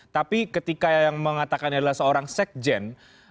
tapi ketika yang mengatakan adalah seorang sekjen